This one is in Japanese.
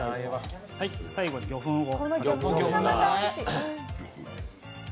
最後に魚粉を。